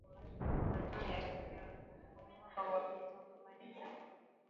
Marekani yasherehekea kumbukumbu ya mwaka wa pili tangu kumalizika utumwa